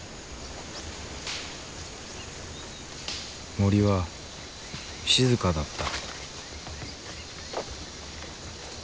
森は静かだった。